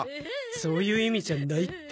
そういう意味じゃないって。